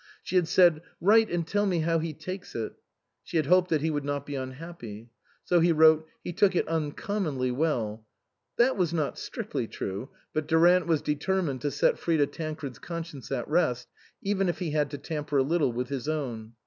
She had said, "Write and tell me how he takes it "; she had hoped that he would not be unhappy. So he wrote :" He took it uncommonly well " (that was not strictly true, but Durant was determined to set Frida Tan cred's conscience at rest, even if he had to tamper a little with his own).